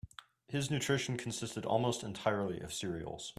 His nutrition consisted almost entirely of cereals.